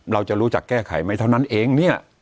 เราจะรู้จักแก้ไขไหมเท่านั้นเองเนี่ย